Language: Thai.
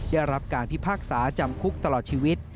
ได้รับการพิพากษาจำคุกตลอดชีวิต